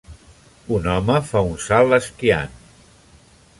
Un home fa un salt esquiant.